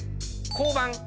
交番。